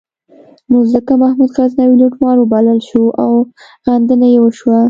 نو ځکه محمود غزنوي لوټمار وبلل شو او غندنه یې وشوه.